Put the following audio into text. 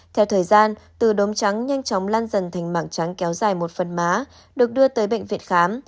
theo thời gian từ đốm trắng nhanh chóng lan dần thành mảng trắng kéo dài một phần má được đưa tới bệnh viện khám